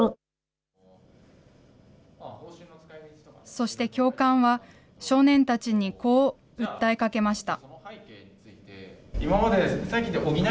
そして教官は、少年たちにこう訴えかけました。